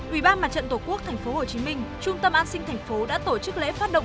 ủy ban mặt trận tổ quốc thành phố hồ chí minh trung tâm an sinh thành phố đã tổ chức lễ phát động